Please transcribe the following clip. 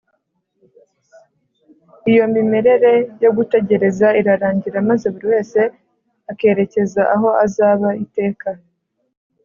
iyo mimerere yo gutegereza irarangira maze buri wese akerekeza aho azaba iteka